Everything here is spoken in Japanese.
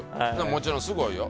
もちろんすごいよ。